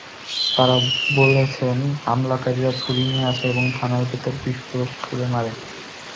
তাঁরা বলেছেন, হামলাকারীরা ছুরি নিয়ে আসে এবং থানার ভেতরে বিস্ফোরক ছুড়ে মারে।